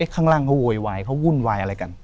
ข้างล่างเขาโวยวายเขาวุ่นวายอะไรกัน